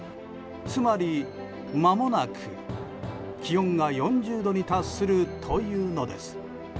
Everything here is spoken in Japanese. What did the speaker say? つまりまもなく気温が４０度に達するというのです。